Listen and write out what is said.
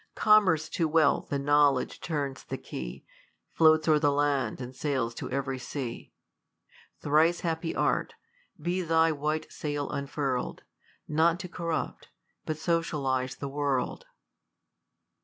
Commerce to wealth and knowledge turns the key, Floats o'er the land and sails to every sea. Thrice happy art ! be thy white sail unfuri'd, Not to corrupt, but socialize the world.